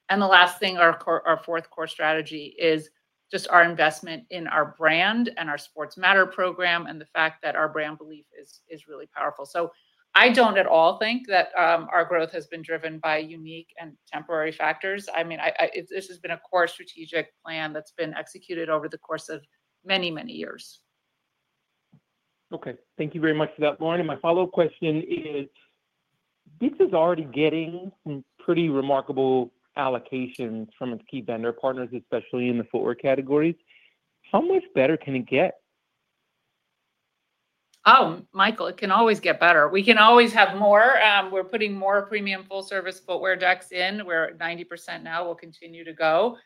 The last thing, our fourth core strategy is just our investment in our brand and our Sports Matter Program and the fact that our brand belief is really powerful. I don't at all think that our growth has been driven by unique and temporary factors. I mean, this has been a core strategic plan that's been executed over the course of many, many years. Okay. Thank you very much for that, Lauren. My follow-up question is, DICK'S is already getting some pretty remarkable allocations from its key vendor partners, especially in the footwear categories. How much better can it get? Oh, Michael, it can always get better. We can always have more. We're putting more premium full-service footwear decks in. We're at 90% now. We'll continue to go.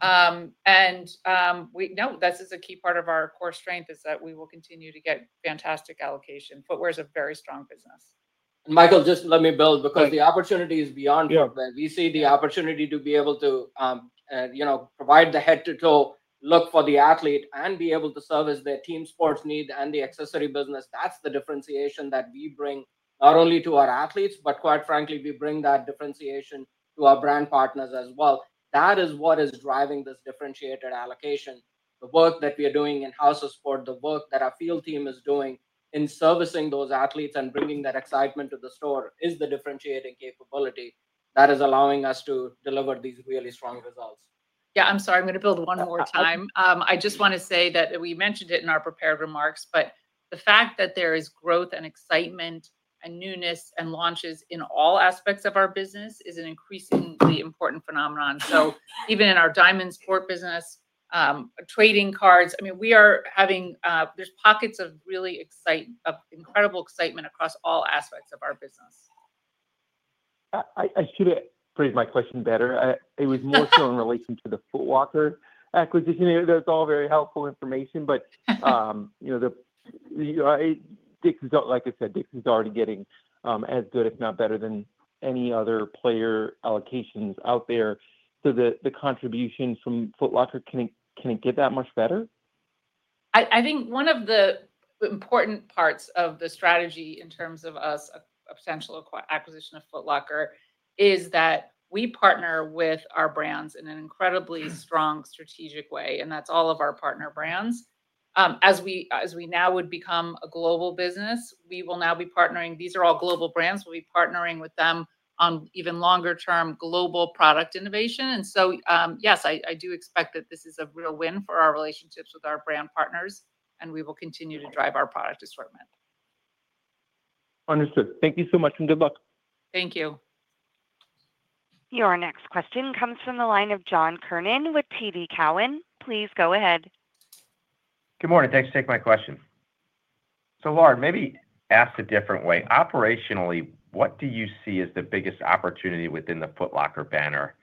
No, this is a key part of our core strength is that we will continue to get fantastic allocation. Footwear is a very strong business. Michael, just let me build because the opportunity is beyond. We see the opportunity to be able to provide the head-to-toe look for the athlete and be able to service their team sports needs and the accessory business. That is the differentiation that we bring not only to our athletes, but quite frankly, we bring that differentiation to our brand partners as well. That is what is driving this differentiated allocation. The work that we are doing in House of Sport, the work that our field team is doing in servicing those athletes and bringing that excitement to the store is the differentiating capability that is allowing us to deliver these really strong results. Yeah, I'm sorry. I'm going to build one more time. I just want to say that we mentioned it in our prepared remarks, but the fact that there is growth and excitement and newness and launches in all aspects of our business is an increasingly important phenomenon. Even in our Diamond Sport business, trading cards, I mean, we are having, there's pockets of really incredible excitement across all aspects of our business. I should have phrased my question better. It was more so in relation to the Foot Locker acquisition. That's all very helpful information, but like I said, DICK'S is already getting as good, if not better than any other player allocations out there. So the contributions from Foot Locker, can it get that much better? I think one of the important parts of the strategy in terms of us, a potential acquisition of Foot Locker, is that we partner with our brands in an incredibly strong strategic way, and that's all of our partner brands. As we now would become a global business, we will now be partnering—these are all global brands—we'll be partnering with them on even longer-term global product innovation. Yes, I do expect that this is a real win for our relationships with our brand partners, and we will continue to drive our product assortment. Understood. Thank you so much and good luck. Thank you. Your next question comes from the line of John Kernan with TD Cowen. Please go ahead. Good morning. Thanks for taking my question. Lauren, maybe asked a different way. Operationally, what do you see as the biggest opportunity within the Foot Locker banner?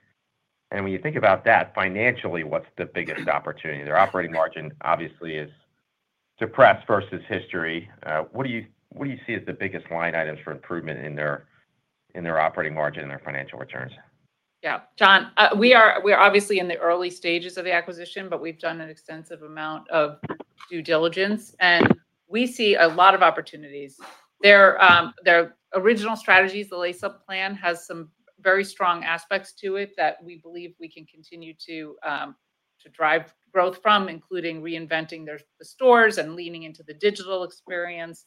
When you think about that, financially, what's the biggest opportunity? Their operating margin, obviously, is depressed versus history. What do you see as the biggest line items for improvement in their operating margin and their financial returns? Yeah. John, we are obviously in the early stages of the acquisition, but we've done an extensive amount of due diligence, and we see a lot of opportunities. Their original strategies, the layup plan, has some very strong aspects to it that we believe we can continue to drive growth from, including reinventing the stores and leaning into the digital experience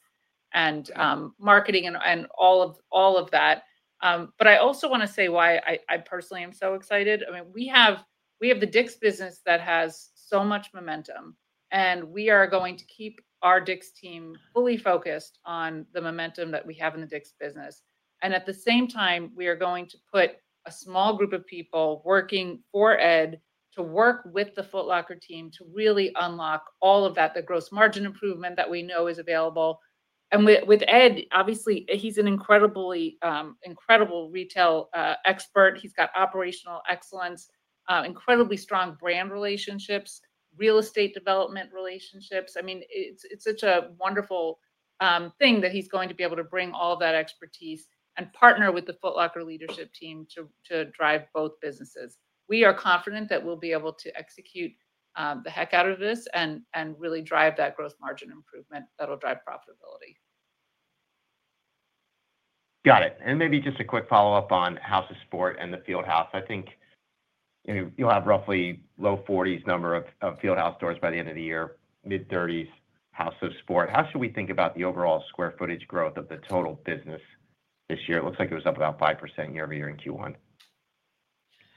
and marketing and all of that. I also want to say why I personally am so excited. I mean, we have the DICK'S business that has so much momentum, and we are going to keep our DICK'S team fully focused on the momentum that we have in the DICK'S business. At the same time, we are going to put a small group of people working for Ed to work with the Foot Locker team to really unlock all of that, the gross margin improvement that we know is available. With Ed, obviously, he's an incredible retail expert. He's got operational excellence, incredibly strong brand relationships, real estate development relationships. I mean, it's such a wonderful thing that he's going to be able to bring all of that expertise and partner with the Foot Locker leadership team to drive both businesses. We are confident that we'll be able to execute the heck out of this and really drive that gross margin improvement that'll drive profitability. Got it. Maybe just a quick follow-up on House of Sport and the Field House. I think you'll have roughly low 40s number of Field House stores by the end of the year, mid-30s House of Sport. How should we think about the overall square footage growth of the total business this year? It looks like it was up about 5% year-over-year in Q1.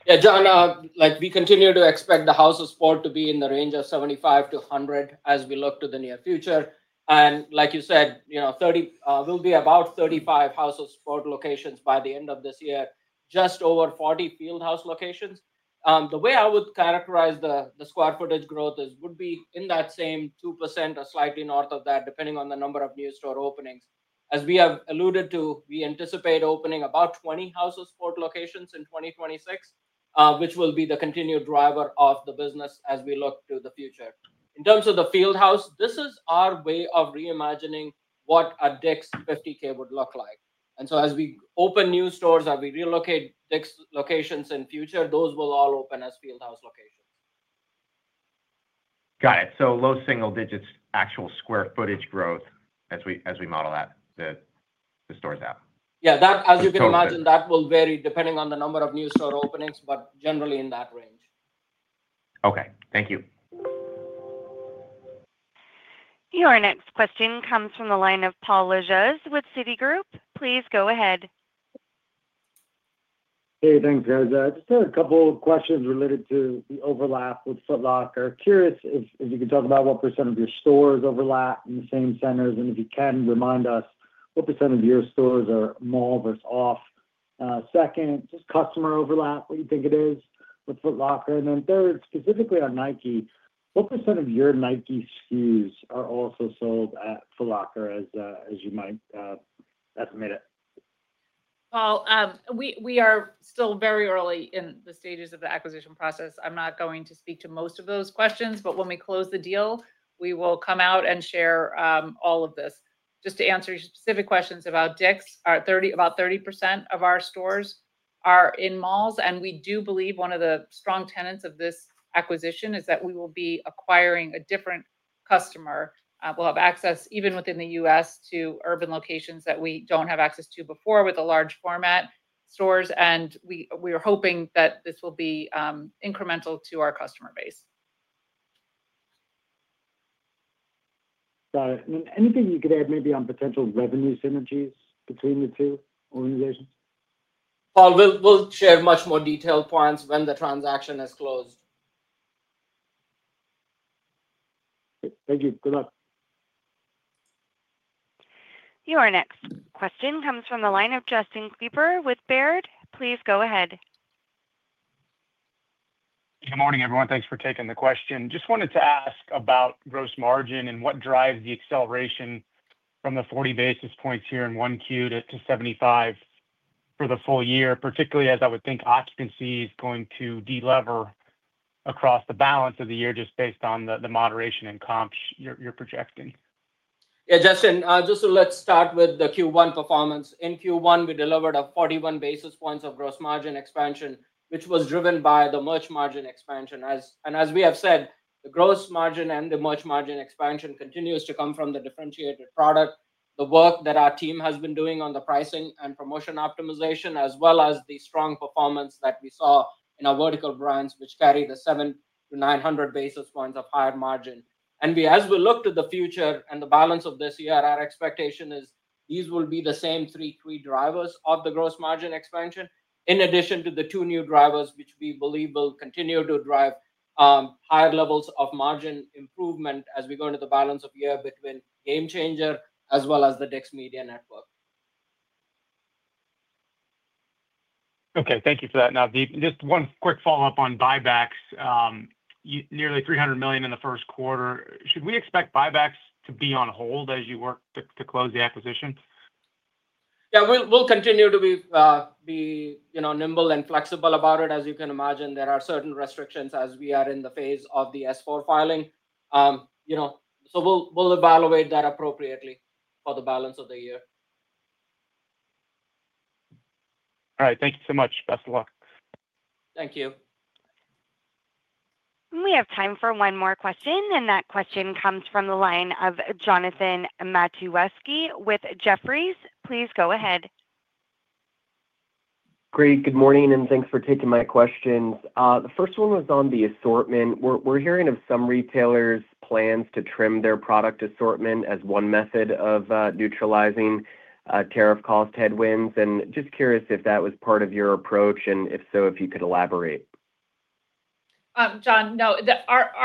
Yeah, John, we continue to expect the House of Sport to be in the range of 75-100 as we look to the near future. Like you said, we'll be about 35 House of Sport locations by the end of this year, just over 40 Field House locations. The way I would characterize the square footage growth would be in that same 2% or slightly north of that, depending on the number of new store openings. As we have alluded to, we anticipate opening about 20 House of Sport locations in 2026, which will be the continued driver of the business as we look to the future. In terms of the Field House, this is our way of reimagining what a DICK'S 50K would look like. As we open new stores or we relocate DICK'S locations in the future, those will all open as Field House locations. Got it. Low single digits actual square footage growth as we model that the stores out. Yeah, as you can imagine, that will vary depending on the number of new store openings, but generally in that range. Okay. Thank you. Your next question comes from the line of Paul Lejuez with Citigroup. Please go ahead. Hey, thanks, guys. Just a couple of questions related to the overlap with Foot Locker. Curious if you could talk about what percent of your stores overlap in the same centers, and if you can, remind us what percent of your stores are mall versus off. Second, just customer overlap, what you think it is with Foot Locker. Third, specifically on Nike, what percent of your Nike SKUs are also sold at Foot Locker as you might estimate it? We are still very early in the stages of the acquisition process. I'm not going to speak to most of those questions, but when we close the deal, we will come out and share all of this. Just to answer specific questions about DICK'S, about 30% of our stores are in malls, and we do believe one of the strong tenets of this acquisition is that we will be acquiring a different customer. We'll have access even within the U.S. to urban locations that we do not have access to before with the large format stores, and we are hoping that this will be incremental to our customer base. Got it. Anything you could add maybe on potential revenue synergies between the two organizations? Paul, we'll share much more detailed points when the transaction is closed. Thank you. Good luck. Your next question comes from the line of Justin Kleber with Baird. Please go ahead. Good morning, everyone. Thanks for taking the question. Just wanted to ask about gross margin and what drives the acceleration from the 40 basis points here in 1Q to 75 for the full year, particularly as I would think occupancy is going to de-lever across the balance of the year just based on the moderation in comps you're projecting. Yeah, Justin, just let's start with the Q1 performance. In Q1, we delivered a 41 basis points of gross margin expansion, which was driven by the merch margin expansion. As we have said, the gross margin and the merch margin expansion continues to come from the differentiated product, the work that our team has been doing on the pricing and promotion optimization, as well as the strong performance that we saw in our vertical brands, which carry the 7-900 basis points of higher margin. As we look to the future and the balance of this year, our expectation is these will be the same three key drivers of the gross margin expansion, in addition to the two new drivers, which we believe will continue to drive higher levels of margin improvement as we go into the balance of year between GameChanger as well as the DICK'S Media Network. Okay. Thank you for that. Now, just one quick follow-up on buybacks. Nearly $300 million in the first quarter. Should we expect buybacks to be on hold as you work to close the acquisition? Yeah, we'll continue to be nimble and flexible about it. As you can imagine, there are certain restrictions as we are in the phase of the S-4 filing. So we'll evaluate that appropriately for the balance of the year. All right. Thank you so much. Best of luck. Thank you. We have time for one more question, and that question comes from the line of Jonathan Matuszewski with Jefferies. Please go ahead. Great. Good morning, and thanks for taking my questions. The first one was on the assortment. We're hearing of some retailers' plans to trim their product assortment as one method of neutralizing tariff cost headwinds. Just curious if that was part of your approach, and if so, if you could elaborate. Jon,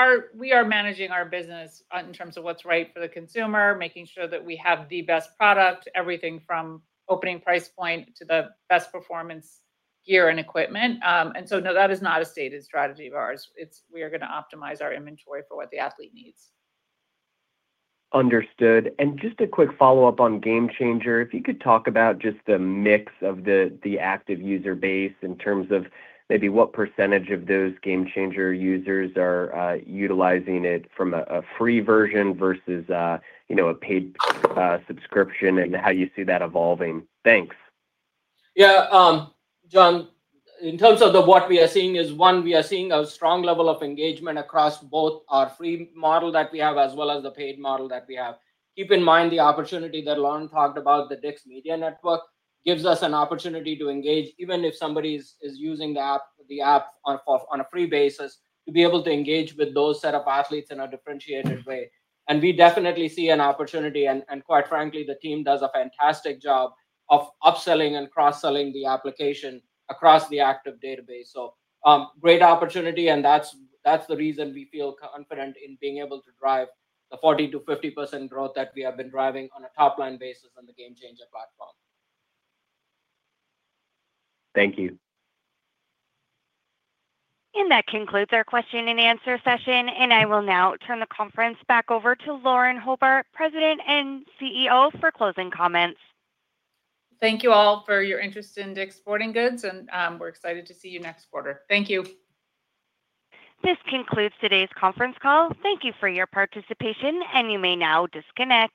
no. We are managing our business in terms of what's right for the consumer, making sure that we have the best product, everything from opening price point to the best performance gear and equipment. No, that is not a stated strategy of ours. We are going to optimize our inventory for what the athlete needs. Understood. Just a quick follow-up on GameChanger. If you could talk about just the mix of the active user base in terms of maybe what percentage of those GameChanger users are utilizing it from a free version versus a paid subscription and how you see that evolving. Thanks. Yeah, John, in terms of what we are seeing is, one, we are seeing a strong level of engagement across both our free model that we have as well as the paid model that we have. Keep in mind the opportunity that Lauren talked about, the DICK'S Media Network gives us an opportunity to engage even if somebody is using the app on a free basis to be able to engage with those set of athletes in a differentiated way. We definitely see an opportunity, and quite frankly, the team does a fantastic job of upselling and cross-selling the application across the active database. Great opportunity, and that's the reason we feel confident in being able to drive the 40%-50% growth that we have been driving on a top-line basis on the GameChanger platform. Thank you. That concludes our question and answer session, and I will now turn the conference back over to Lauren Hobart, President and CEO, for closing comments. Thank you all for your interest in DICK'S Sporting Goods, and we're excited to see you next quarter. Thank you. This concludes today's conference call. Thank you for your participation, and you may now disconnect.